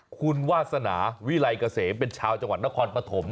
คุณวาสนาวิลัยเกษมเป็นชาวจังหวัดนครปฐม